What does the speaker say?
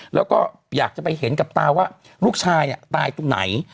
แล้วก็อยากจะไปเห็นกับตาว่าลูกชายตายตรงไหน